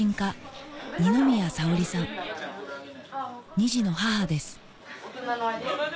２児の母です